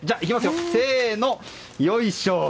せーの、よいしょ！